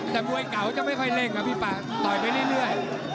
แต่มวยเก่าจะไม่ค่อยเร่งครับพี่ป่าต่อยไปเรื่อย